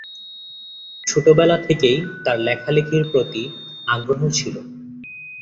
ছোটবেলা থেকেই তার লেখালেখির প্রতি আগ্রহ ছিল।